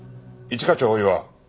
一課長大岩。